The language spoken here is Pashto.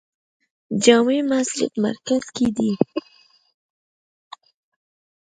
جامع مسجد مرکز کې دی